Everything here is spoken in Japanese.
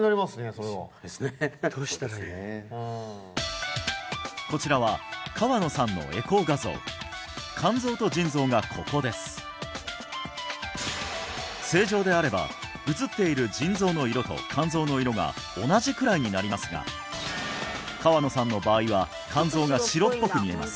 それは心配ですねこちらは肝臓と腎臓がここです正常であれば映っている腎臓の色と肝臓の色が同じくらいになりますが川野さんの場合は肝臓が白っぽく見えます